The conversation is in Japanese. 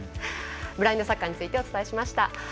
ブラインドサッカーについてお伝えしました。